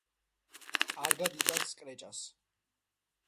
კარგად იტანს კრეჭას.